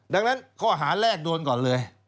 ดังนั้นข้อหาแรกโดนก่อนเลย